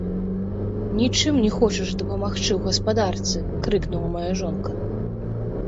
Нічым не хочаш дапамагчы ў гаспадарцы!— крыкнула мая жонка.